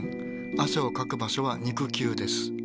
汗をかく場所は肉球です。